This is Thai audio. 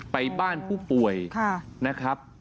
ไปบ้านผู้ป่วยนะครับ